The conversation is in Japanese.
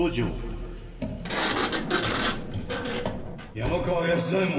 山川安左衛門。